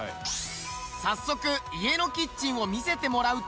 早速家のキッチンを見せてもらうと。